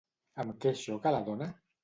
Amb què xoca la dona?